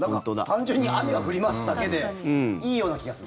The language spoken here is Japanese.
単純に雨が降りますだけでいいような気がする。